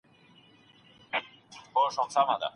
ایا موږ هره ورځ ډېري مڼې راوړو؟